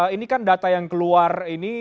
ini kan data yang keluar ini